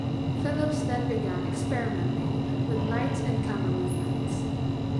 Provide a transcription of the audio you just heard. Phillips then began experimenting with lights and camera movements.